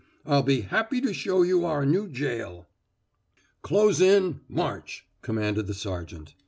"I'll be happy to show you our new jail." "Close in! March!" commanded the sergeant.